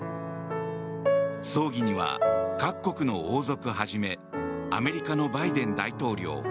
葬儀には各国の王族はじめアメリカのバイデン大統領